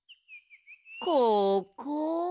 ここ。